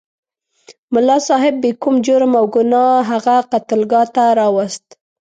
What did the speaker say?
ملا صاحب بې کوم جرم او ګناه هغه قتلګاه ته راوست.